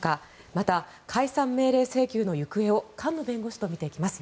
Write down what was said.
また解散命令請求の行方を菅野弁護士と見ていきます。